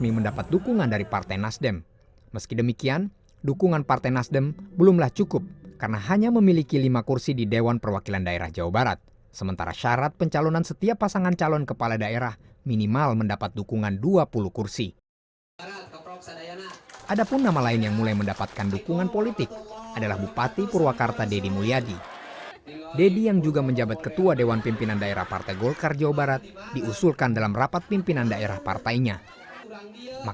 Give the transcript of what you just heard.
mungkin ini salah satu yang berdoa buat saya